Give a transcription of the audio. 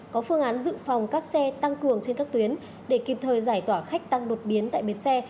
có phương án dự phòng các xe tăng cường trên các tuyến để kịp thời giải tỏa khách tăng đột biến tại bến xe